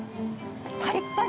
パリッパリ。